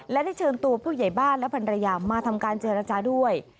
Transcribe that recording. และได้เชิญตัวผู้ใหญ่บ้านและภรรยามาทำการเจรจาด้วย